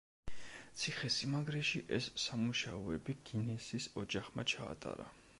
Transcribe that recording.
ციხე-სიმაგრეში ეს სამუშაოები გინესის ოჯახმა ჩაატარა.